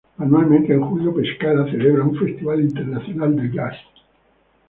Anualmente, en julio, Pescara celebra un Festival Internacional de Jazz.